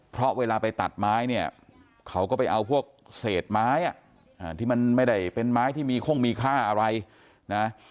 เพราะเวลาไปตัดไม้เนี่ยเขาก็ไปเอาพวกเศษไม้ที่มันไม่ได้เป็นไม้ที่มีโค้งมีค่าอะไรนะ